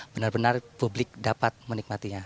benar benar publik dapat menikmatinya